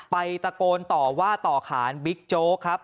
ตะโกนต่อว่าต่อขานบิ๊กโจ๊กครับ